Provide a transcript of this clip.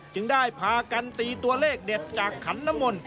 จึงได้พากันตีตัวเลขเด็ดจากขันน้ำมนต์